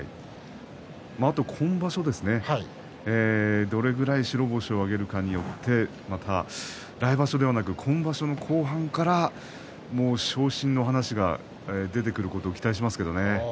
あと、今場所どれぐらい白星を挙げるかによってまた来場所ではなく今場所の後半からもう昇進の話が出てくることを期待しますけれどね。